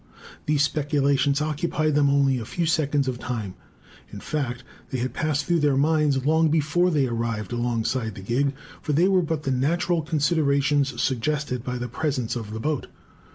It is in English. These speculations occupied them only a few seconds of time. In fact they had passed through their minds long before they arrived alongside the gig; for they were but the natural considerations suggested by the presence of the boat.